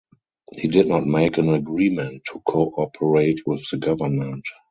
He did not make an agreement to cooperate with the government.